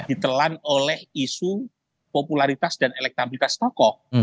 ditelan oleh isu popularitas dan elektabilitas tokoh